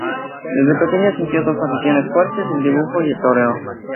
Desde pequeño sintió dos aficiones fuertes: el dibujo y el toreo.